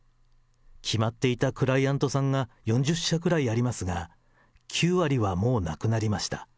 決まっていたクライアントさんが４０社くらいありますが、９割はもうなくなりました。